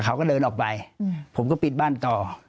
เขาก็เดินออกไปผมก็ปิดบ้านต่อ